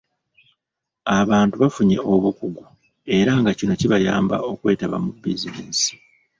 Abantu bafunye obukugu era nga kino kibayamba okwetaba mu bizinensi.